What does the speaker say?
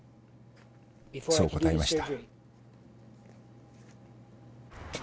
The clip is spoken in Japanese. そう答えました。